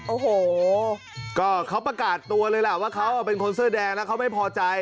โอ้โหก็เขาประกาศตัวเลยล่ะว่าเขาเป็นคนเสื้อแดงแล้วเขาไม่พอใจ